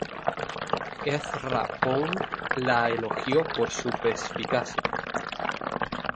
Ezra Pound la elogió por su perspicacia.